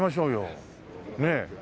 ねえ。